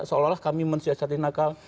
seolah olah kami manusia satin akal